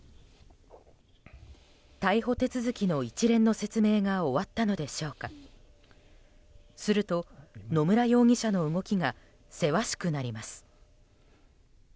逮捕手続きの一連の説明が終わったのでしょうかすると野村容疑者の動きがせわしくなります。